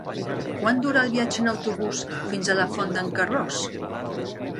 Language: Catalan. Quant dura el viatge en autobús fins a la Font d'en Carròs?